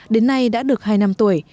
đến nay đã được hai năm tuổi